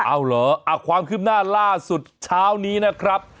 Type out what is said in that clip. เอาเหรอความคืบหน้าล่าสุดเช้านี้นะครับ